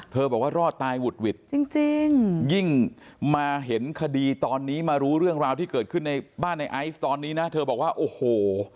บอกว่ารอดตายหุดหวิดจริงยิ่งมาเห็นคดีตอนนี้มารู้เรื่องราวที่เกิดขึ้นในบ้านในไอซ์ตอนนี้นะเธอบอกว่าโอ้โห